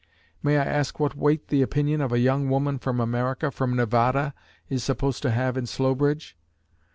may I ask what weight the opinion of a young woman from America from Nevada is supposed to have in Slowbridge?"